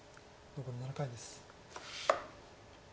残り７回です。